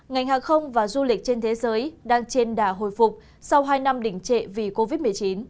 ngành hàng không và du lịch trên thế giới đang trên đà hồi phục sau hai năm đỉnh trệ vì covid một mươi chín